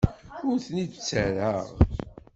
Ur ten-id-ttarraɣ.